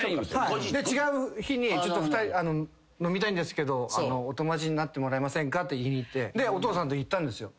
違う日にちょっと飲みたいんですけどお友達になってもらえませんか？って言いに行ってお父さんと行ったんですよ。